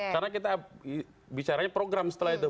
karena kita bicaranya program setelah itu